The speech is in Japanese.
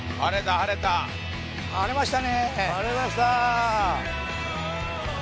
晴れました。